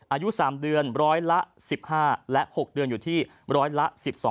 อายุ๓เดือนร้อยละ๑๕และ๖เดือนอยู่ที่ร้อยละ๑๒